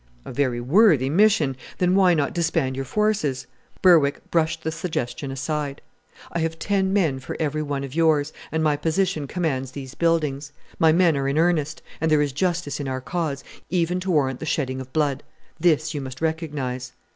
"A very worthy mission! Then why not disband your forces?" Berwick brushed the suggestion aside. "I have ten men for every one of yours, and my position commands these buildings. My men are in earnest, and there is justice in our cause, even to warrant the shedding of blood. This you must recognize."